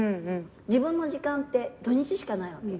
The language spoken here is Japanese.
自分の時間って土日しかないわけ。